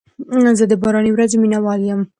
زه د باراني ورځو مینه وال یم.